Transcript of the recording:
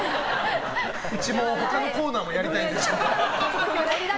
うちも他のコーナーもやりたいので。